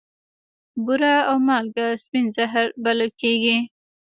بوره او مالګه سپین زهر بلل کیږي.